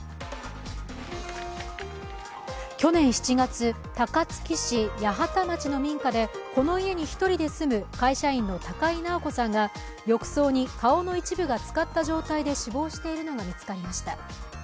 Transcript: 去年７月、高槻市八幡町の民家でこの家に１人で住む会社員の高井直子さんが浴槽に顔の一部がつかった状態で死亡しているのが見つかりました。